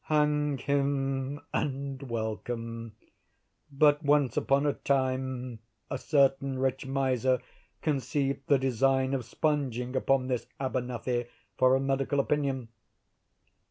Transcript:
hang him and welcome. But, once upon a time, a certain rich miser conceived the design of spunging upon this Abernethy for a medical opinion.